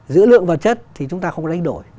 giữa lượng và chất thì chúng ta không đánh đổi